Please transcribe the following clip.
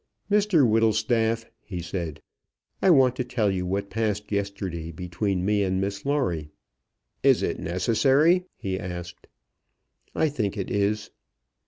"Mr Whittlestaff," he said, "I want to tell you what passed yesterday between me and Miss Lawrie." "Is it necessary?" he asked. "I think it is."